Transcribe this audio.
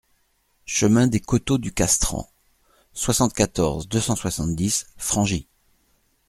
Chemin des Côteaux du Castran, soixante-quatorze, deux cent soixante-dix Frangy